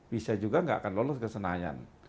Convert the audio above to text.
bisa juga nggak akan lolos ke senayan